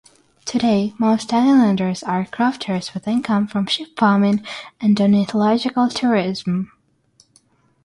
Today, most islanders are crofters with income from sheep farming and ornithological tourism.